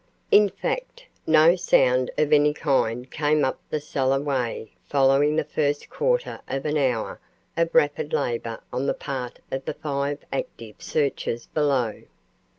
In fact, no sound of any kind came up the cellarway following the first quarter of an hour of rapid labor on the part of the five active searchers below.